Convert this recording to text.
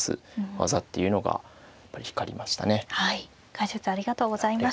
解説ありがとうございました。